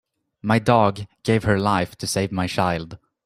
My dog gave her life to save my child.